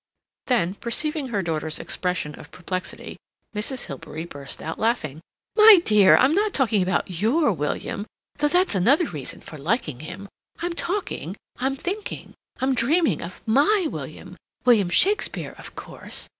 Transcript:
Then, perceiving her daughter's expression of perplexity, Mrs. Hilbery burst out laughing. "My dear, I'm not talking about your William, though that's another reason for liking him. I'm talking, I'm thinking, I'm dreaming of my William—William Shakespeare, of course.